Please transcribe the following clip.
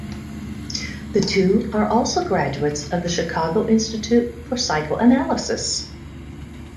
The two are also graduates of the Chicago Institute for Psychoanalysis.